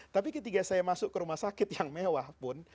tapi ketika saya masuk ke rumah sakit yang mewah pun